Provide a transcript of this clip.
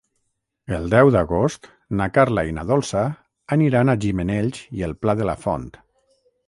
El deu d'agost na Carla i na Dolça aniran a Gimenells i el Pla de la Font.